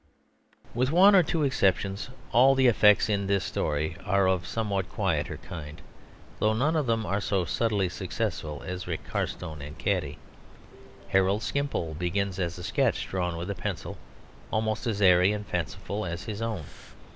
With one or two exceptions, all the effects in this story are of this somewhat quieter kind, though none of them are so subtly successful as Rick Carstone and Caddy. Harold Skimpole begins as a sketch drawn with a pencil almost as airy and fanciful as his own.